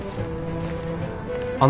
あの。